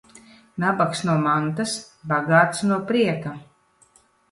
Nabags no mantas, bagāts no prieka.